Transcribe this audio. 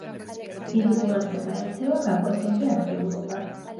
დიდი ყურადღება ექცევა გაკვეთილზე აქტიურობას.